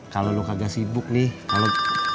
kalau lo kagak sibuk nih kalau